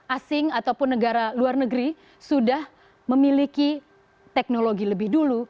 asing ataupun negara luar negeri sudah memiliki teknologi lebih dulu